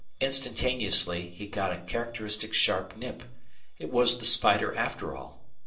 Instantaneously he got a characteristic sharp nip; it was the spider after all!